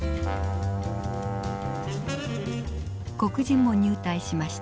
黒人も入隊しました。